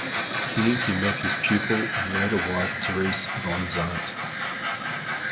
Here he met his pupil and later wife Therese von Zandt.